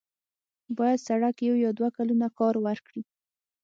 باید سړک یو یا دوه کلونه کار ورکړي.